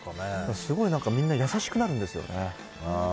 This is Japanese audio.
すごいみんな優しくなるんですよね。